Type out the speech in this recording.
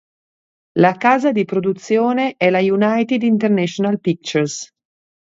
La casa di produzione è la United International Pictures.